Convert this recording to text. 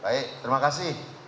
baik terima kasih